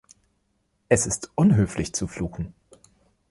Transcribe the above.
Es ist unhöflich zu fluchen.